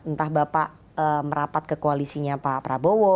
entah bapak merapat ke koalisinya pak prabowo